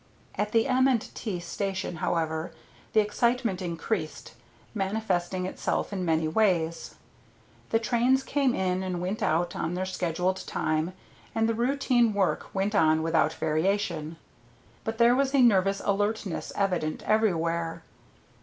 At the M. & T. station, however, the excitement increased, manifesting itself in many ways. The trains came in and went out on their scheduled time, and the routine work went on without variation, but there was a nervous alertness evident everywhere.